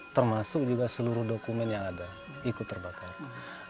termasuk kita karena seluruh pemukiman kita waktu itu terbakar habis